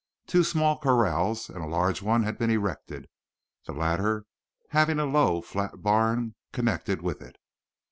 Two small corrals and a large one had been erected, the latter having a low flat barn connected with it.